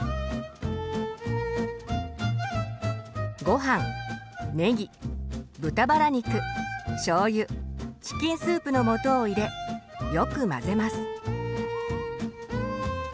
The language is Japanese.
ごはんねぎ豚バラ肉しょうゆチキンスープの素を入れよく混ぜます。